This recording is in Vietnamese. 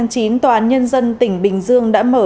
ngày ba mươi tháng chín tòa án nhân dân tỉnh bình dương đã mở